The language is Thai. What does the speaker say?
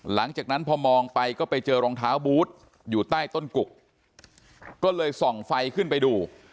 หลังจากนั้นพอมองไปก็ไปเจอรองเท้าบูธอยู่ใต้ต้นกุกก็เลยส่องไฟขึ้นไปดู